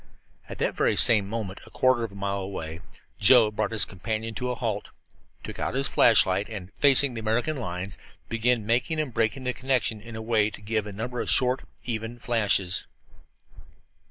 At that very same moment, a quarter of a mile away, Joe brought his companion to a halt, took out his flashlight, and, facing the American line, began making and breaking the connection in a way to give a number of short, even flashes.